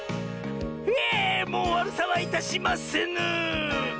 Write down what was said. ひえもうわるさはいたしませぬ！